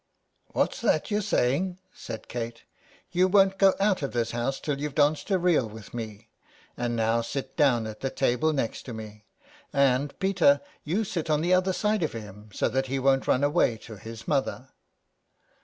''What's that you're saying?" said Kate, "You won't go out of this house till you've danced a reel with me, and now sit down at the table next to me ; and, Peter, you sit on the other side of him, so that he won't run away to his mother."